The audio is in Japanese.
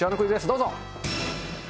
どうぞ。